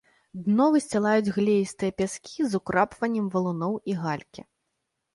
Дно высцілаюць глеістыя пяскі з украпваннем валуноў і галькі.